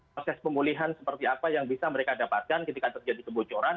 proses pemulihan seperti apa yang bisa mereka dapatkan ketika terjadi kebocoran